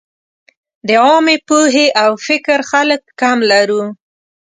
د عامې پوهې او فکر خلک کم لرو.